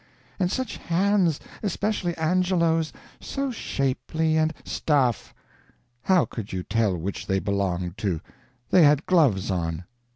And such hands, especially Angelo's so shapely and " "Stuff, how could you tell which they belonged to? they had gloves on."